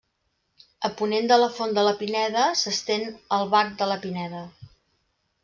A ponent de la Font de la Pineda s'estén el Bac de la Pineda.